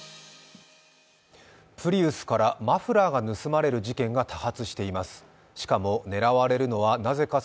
プリウスからマフラーが盗まれる事件が多発しています。